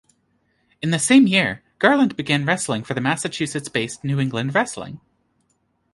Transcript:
In the same year, Garland began wrestling for the Massachusetts-based New England Wrestling.